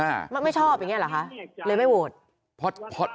มันไม่ชอบอย่างนี้หรอคะเลยไม่โหวต